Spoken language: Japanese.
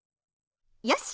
よし！